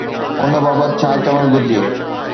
ان بابت ڇا چوڻ گهرجي؟